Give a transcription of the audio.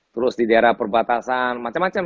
terus di daerah perbatasan macam macam